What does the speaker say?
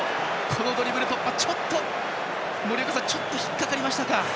ドリブル突破はちょっと引っかかりましたか。